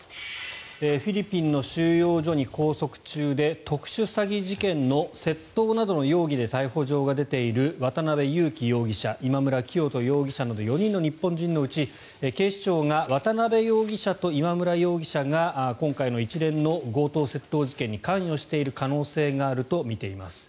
フィリピンの収容所に拘束中で特殊詐欺事件の窃盗などの容疑で逮捕状が出ている渡邉優樹容疑者今村磨人容疑者など４人の日本人のうち、警視庁が渡邉容疑者と今村容疑者が今回の一連の強盗・窃盗事件に関与している可能性があるとみています。